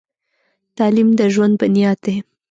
تعلیم د ژوند بنیاد دی.